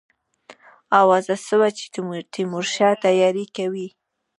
آوازه سوه چې تیمورشاه تیاری کوي.